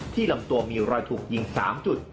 ลำตัวมีรอยถูกยิง๓จุด